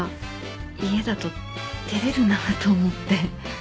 家だと照れるなと思って